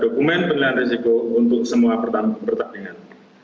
dokumen pengelian resiko untuk semua pertandingan